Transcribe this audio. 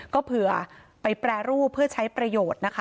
ก็เผื่อไปแปรรูปเพื่อใช้ประโยชน์นะคะ